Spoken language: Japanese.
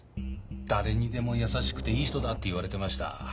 誰にでも優しくていい人だって言われてました。